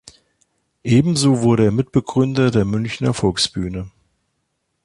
Ebenso wurde er Mitbegründer der "Münchner Volksbühne".